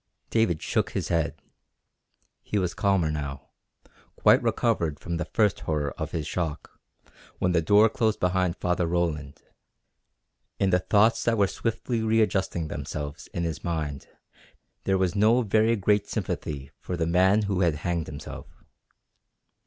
David shook his head. He was calmer now, quite recovered from the first horror of his shock, when the door closed behind Father Roland. In the thoughts that were swiftly readjusting themselves in his mind there was no very great sympathy for the man who had hanged himself.